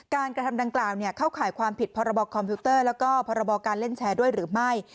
การกระทำดังกล่าวเข้าข่ายความผิดพรคและก็พรการเล่นแชร์ด้วยหรือไม่